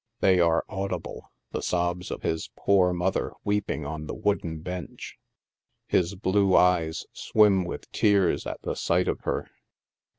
They are audible, the sobs of his poor mother weeping on the wooden bench ; his blue eyes swim with tears at the sight of her.